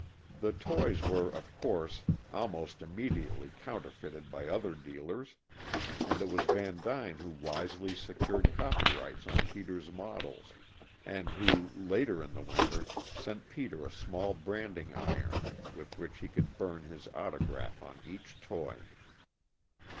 The toys were, of course, almost immediately counterfeited by other dealers, and it was Vandyne who wisely secured copyrights on Peter's models, and who, later in the winter, sent Peter a small branding iron with which he could burn his autograph on each toy.